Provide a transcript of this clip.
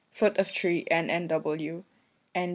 foot of tree N.N.W. N.